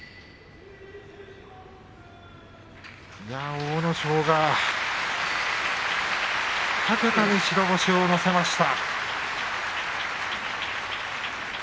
阿武咲が２桁に白星をのせました。